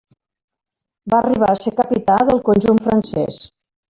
Va arribar a ser capità del conjunt francès.